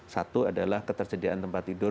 satu adalah ketersediaan tempat tidur